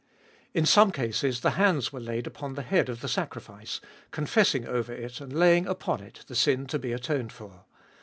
In some cases the hands were laid upon the head of the sacrifice, confessing over it, and laying upon it, the sin to be atoned for.